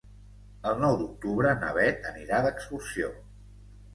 El nou d'octubre na Beth anirà d'excursió.